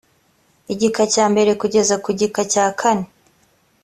igika cya mbere kugeza ku gika cya kane